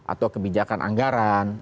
atau kebijakan anggaran